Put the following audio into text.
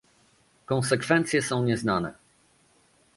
Konsekwencje są nieznane